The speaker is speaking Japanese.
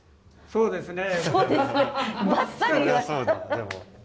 そうですね